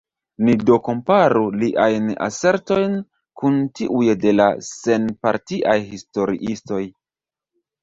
Ni do komparu liajn asertojn kun tiuj de la senpartiaj historiistoj.